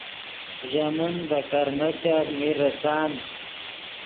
ژے من ڤے کرمیچف میر ریسان